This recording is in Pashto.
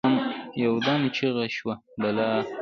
يودم چیغه شوه: «بلا!»